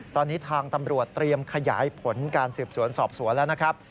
ตอนนี้ทางตำรวจเตรียมขยายผลการสืบสวนสอบสวนแล้วนะครับ